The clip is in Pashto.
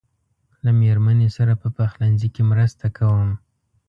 له مېرمنې سره په پخلنځي کې مرسته کوم.